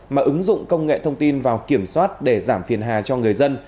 mà ứng dụng công nghệ thông tin vào kiểm soát để giảm phiền hà cho người dân